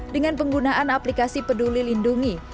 dengan penggunaan aplikasi peduli lindungi